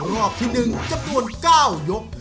รอบที่๑จำนวน๙ยก